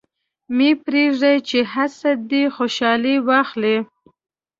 مه پرېږده چې حسد دې خوشحالي واخلي.